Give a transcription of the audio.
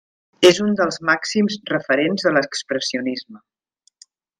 És un dels màxims referents de l'expressionisme.